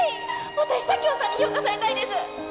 私佐京さんに評価されたいです